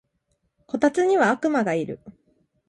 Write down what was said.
こたつには悪魔がいる